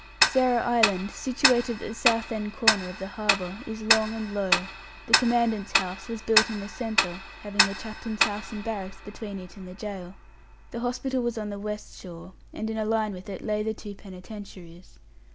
Sarah Island, situated at the south east corner of the harbour, is long and low. The commandant's house was built in the centre, having the chaplain's house and barracks between it and the gaol. The hospital was on the west shore, and in a line with it lay the two penitentiaries.